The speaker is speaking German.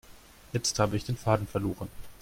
Jetzt habe ich den Faden verloren.